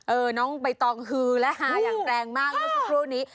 เออน้องไปต่องคือแล้วฮะอย่างแกร่งมากเมื่อสักครู่นี้